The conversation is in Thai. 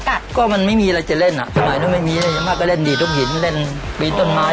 เพราะว่ามันไม่มีอะไรจะเล่นอ่ะสมัยนั้นไม่มีมากก็เล่นดีต้มหินเล่นบีต้นไม้